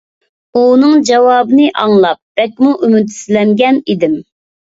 ئۇنىڭ جاۋابىنى ئاڭلاپ بەكمۇ ئۈمىدسىزلەنگەن ئىدىم.